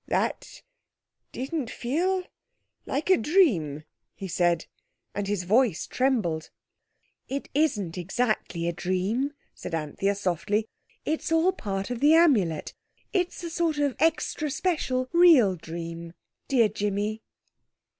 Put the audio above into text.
"That didn't feel like a dream," he said, and his voice trembled. "It isn't exactly a dream," said Anthea softly, "it's all part of the Amulet—it's a sort of extra special, real dream, dear Jimmy."